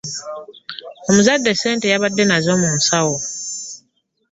Omuzadde ssente yabadde nazo mu nsawo.